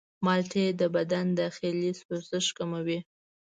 مالټې د بدن داخلي سوزش کموي.